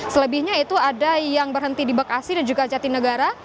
selebihnya itu ada yang berhenti di bekasi dan juga jatinegara